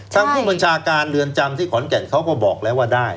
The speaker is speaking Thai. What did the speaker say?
ทางผู้บัญชาการเรือนจำที่ขอนแก่นเขาก็บอกแล้วว่าได้